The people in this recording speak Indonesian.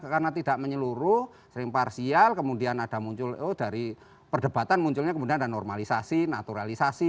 karena tidak menyeluruh sering parsial kemudian ada muncul dari perdebatan munculnya kemudian ada normalisasi naturalisasi